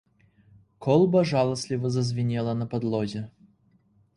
Колба жаласліва зазвінела на падлозе.